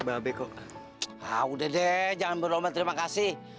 aduh dede jangan berdoa sama terima kasih